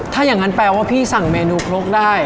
ถ้าอย่างนั้นแปลว่าพี่สั่งเมนูครกได้